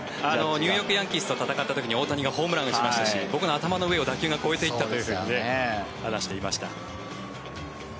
ニューヨーク・ヤンキースと戦った時に大谷がホームランを打ちましたし僕の頭の上を打球が越えていったと話していました。